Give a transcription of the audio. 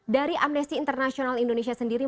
dari amnesty international indonesia sendiri